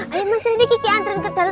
ayo mas randy kiki antri ke dalam